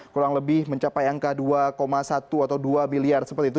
kurang lebih mencapai angka dua satu atau dua miliar seperti itu